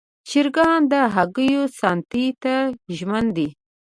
چرګان د هګیو ساتنې ته ژمن دي.